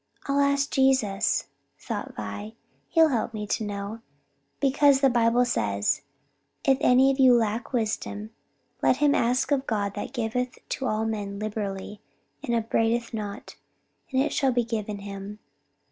"I'll ask Jesus," thought Vi; "he'll help me to know, because the Bible says, 'If any of you lack wisdom, let him ask of God that giveth to all men liberally and upbraideth not; and it shall be given him.'"